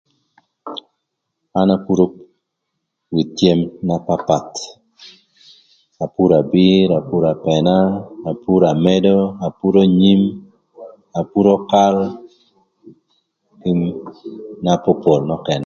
An apuro with cem na papath, apuro abir, apuro apëna, apuro amedo, apuro nyim, apuro kal kï mana popol nökënë,